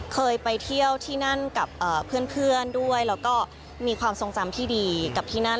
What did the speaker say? เคยไปเที่ยวที่นั่นกับเพื่อนด้วยแล้วก็มีความทรงจำที่ดีกับที่นั่น